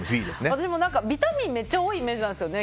私もビタミンがめっちゃ多いイメージなんですよね